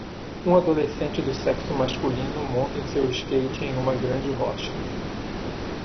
Um adolescente do sexo masculino monta seu skate em uma grande rocha.